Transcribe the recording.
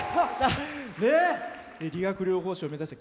理学療法士を目指して。